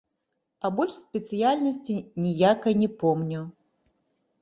А больш спецыяльнасці ніякай не помню.